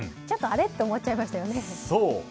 ちょっとあれ？と思っちゃいましたよね。